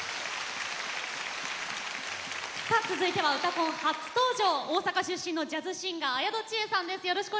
続いては「うたコン」初登場大阪出身のジャズシンガー綾戸智恵さんです。